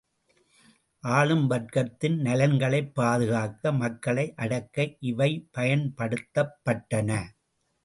ஆளும் வர்க்கத்தின் நலன்களைப் பாதுகாக்க, மக்களை அடக்க இவை பயன்படுத்தப்பட்டன.